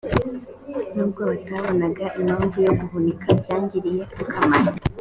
nubwo batabonaga impamvu yo guhunika byagiriye akamaro